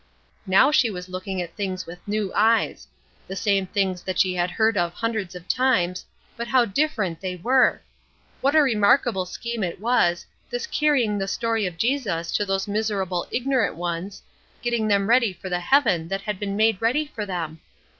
Now she was looking at things with new eyes; the same things that she had heard of hundreds of times, but how different they were! What a remarkable scheme it was, this carrying the story of Jesus to those miserable ignorant ones, getting them ready for the heaven that had been made ready for them!